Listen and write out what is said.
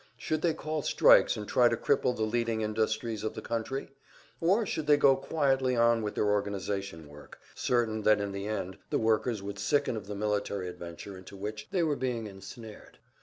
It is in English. Should they call strikes and try to cripple the leading industries of the country? Or should they go quietly on with their organization work, certain that in the end the workers would sicken of the military adventure into which they were being snared?